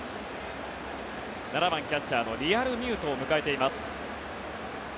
７番キャッチャーのリアルミュートを迎えています。